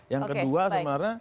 yang kedua sebenarnya